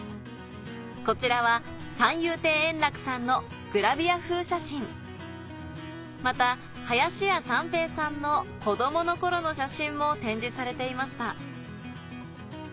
こちらは三遊亭円楽さんのグラビア風写真また林家三平さんの子供の頃の写真も展示されていました